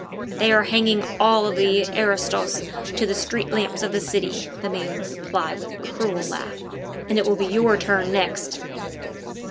"They are hanging all the aristos to the street lamps of the city," the man would reply with a cruel laugh, "and it will be your turn next."